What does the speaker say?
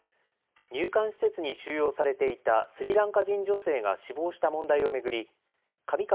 入管施設に収容されていたスリランカ人女性が死亡した問題を巡り上川